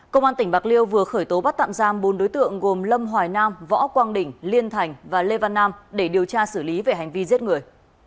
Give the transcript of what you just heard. công an tỉnh bạc liêu vừa khởi tố bắt tạm giam bốn đối tượng gồm lâm hoài nam võ quang đỉnh liên thành và lê văn nam để điều tra xử lý về hành vi giết người